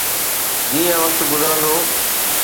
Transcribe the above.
جيئن وقت گذرندو.